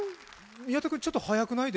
宮田君、ちょっと早くない？